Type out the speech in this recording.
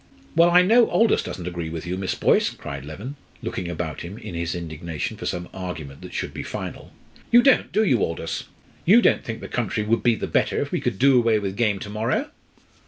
"Well, I know Aldous doesn't agree with you, Miss Boyce," cried Leven, looking about him in his indignation for some argument that should be final. "You don't, do you, Aldous? You don't think the country would be the better, if we could do away with game to morrow?"